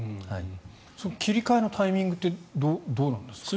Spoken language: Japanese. その切り替えのタイミングってどうなんですか？